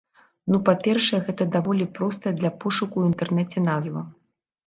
Ну, па-першае, гэта даволі простая для пошуку ў інтэрнэце назва.